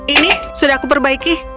ini sudah aku perbaiki